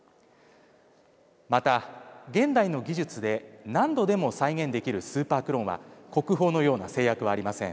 また現代の技術で何度でも再現できるスーパークローンは国宝のような制約はありません。